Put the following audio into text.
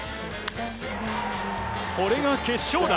これが決勝打。